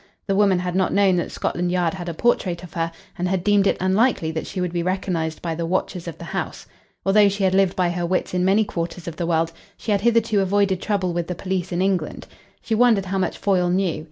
The woman had not known that Scotland Yard had a portrait of her, and had deemed it unlikely that she would be recognised by the watchers of the house. Although she had lived by her wits in many quarters of the world, she had hitherto avoided trouble with the police in England. She wondered how much Foyle knew.